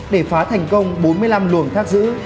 để phá thành công bốn mươi năm luồng khác giữ